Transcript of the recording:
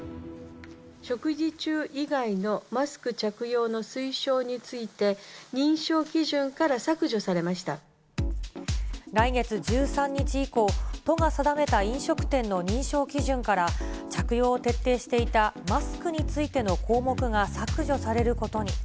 食事中以外のマスク着用の推奨について、来月１３日以降、都が定めた飲食店の認証基準から着用を徹底していたマスクについての項目が削除されることに。